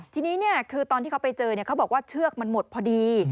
ทีนี้คือตอนที่เขาไปเจอเขาบอกว่าเชือกมันหมดพอดี